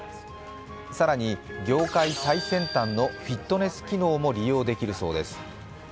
更に業界最先端のフィットネス機能も利用できるそうです。